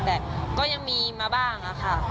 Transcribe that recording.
แต่ก็ยังมีมาบ้างอะค่ะ